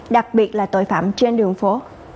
đặc biệt là tội phạm trên đường phố